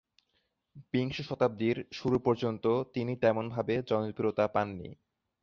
বিংশ শতাব্দীর শুরু পর্যন্ত তিনি তেমন ভাবে জনপ্রিয়তা পাননি।